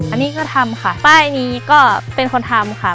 อันนี้ก็ทำค่ะป้ายนี้ก็เป็นคนทำค่ะ